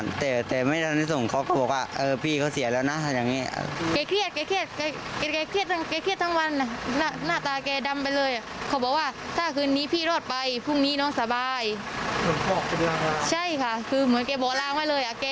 พี่มาให้เสร็จแล้วเขาก็ฟ้าส่งโรงพยาบาล